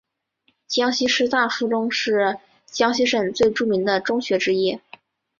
江西师大附中是江西省最著名的中学之一。